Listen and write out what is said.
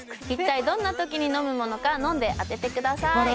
一体どんなときに飲むものか飲んで当ててください